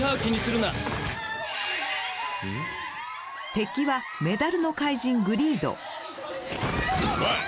敵はメダルの怪人グリード。